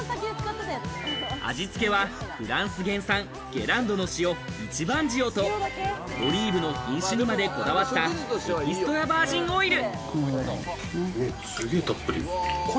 味付けはフランス原産「ゲランドの塩一番塩」と、オリーブの品質にまでこだわったエキストラバージンオイル。